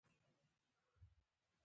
احساس د اړیکې بنسټ جوړوي.